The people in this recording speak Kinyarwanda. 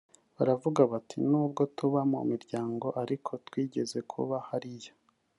baravuga bati ‘nubwo tuba mu miryango ariko twigeze kuba hariya